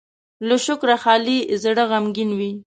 له شکره خالي زړه غمګين وي.